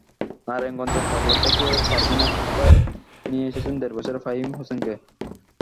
নারায়ণগঞ্জের পাগলা থেকে পারভীন আক্তার নিয়ে এসেছেন দেড় বছরের ফাহিম হোসেনকে।